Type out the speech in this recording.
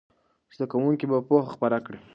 زده کوونکي به پوهه خپره کړي.